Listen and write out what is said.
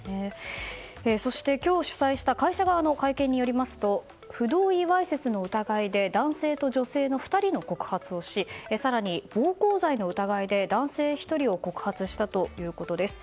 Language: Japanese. そして今日、主催した会社側の会見によりますと不同意わいせつの疑いで男性と女性の２人の告発をし更に暴行罪の疑いで男性１人を告発したということです。